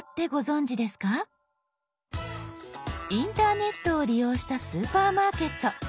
インターネットを利用したスーパーマーケット。